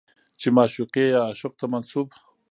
چې معشوقې يا عاشق ته منسوب